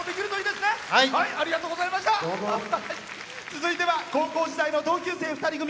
続いては高校時代の同級生２人組。